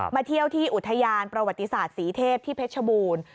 เที่ยวที่อุทยานประวัติศาสตร์ศรีเทพที่เพชรบูรณ์